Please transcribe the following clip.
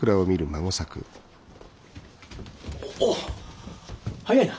おっ早いな。